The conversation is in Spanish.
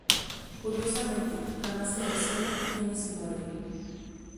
Curiosamente, jamás se menciona quien es su madre.